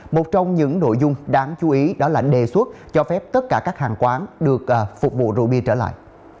một trong những nội dung đáng chú ý đó là đề xuất cho phép tất cả các hàng quán được phục vụ rượu bia trở lại